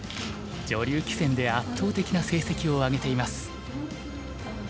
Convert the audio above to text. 女流棋戦で圧倒的な成績を上げています。